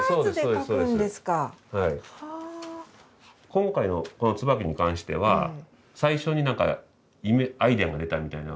今回のこのツバキに関しては最初に何かアイデアが出たみたいな。